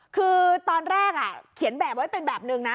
คือตอนแรกเขียนแบบไว้เป็นแบบนึงนะ